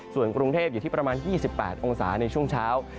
ส่วนกรุงเทพอยู่ที่ประมาณ๒๘องศาในช่วงเช้า